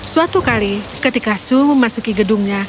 suatu kali ketika su memasuki gedungnya